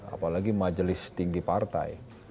apalagi majelis tinggi partai